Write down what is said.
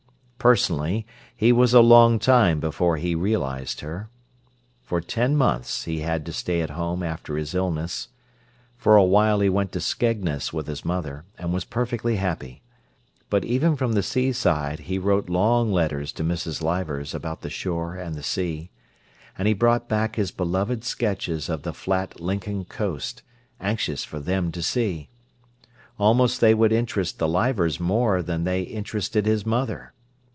Personally, he was a long time before he realised her. For ten months he had to stay at home after his illness. For a while he went to Skegness with his mother, and was perfectly happy. But even from the seaside he wrote long letters to Mrs. Leivers about the shore and the sea. And he brought back his beloved sketches of the flat Lincoln coast, anxious for them to see. Almost they would interest the Leivers more than they interested his mother.